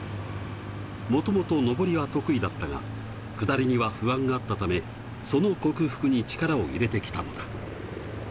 もともと上りは得意だったが、下りには不安があったため、その克服に力を入れてきたのだ。